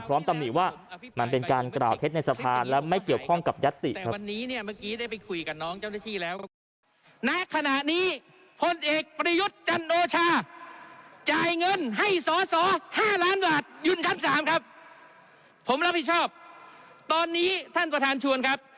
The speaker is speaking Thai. ตำหนิว่ามันเป็นการกล่าวเท็จในสภาและไม่เกี่ยวข้องกับยัตติครับ